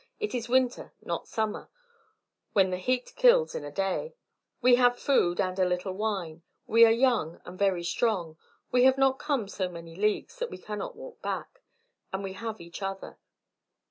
It is winter, not summer, when the heat kills in a day; we have food and a little wine; we are young and very strong; we have not come so many leagues that we cannot walk back. And we have each other.